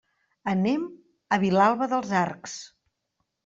Anem a Vilalba dels Arcs.